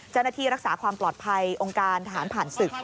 เจ้าหน้าที่รักษาความปลอดภัยองค์การทหารผ่านศึก